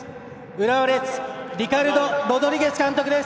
浦和レッズリカルド・ロドリゲス監督です。